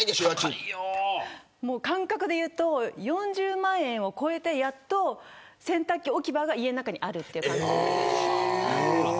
感覚でいうと４０万円を超えてやっと洗濯機置き場が家の中にある。